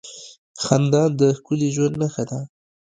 • خندا د ښکلي ژوند نښه ده.